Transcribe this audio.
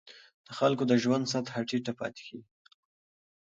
د خلکو د ژوند سطحه ټیټه پاتې کېږي.